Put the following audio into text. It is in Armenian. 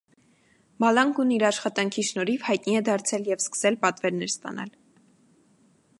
Մալանգուն իր աշխատանքի շնորհիվ հայտնի է դարձել և սկսել պատվերներ ստանալ։